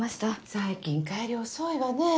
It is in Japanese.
最近帰り遅いわね。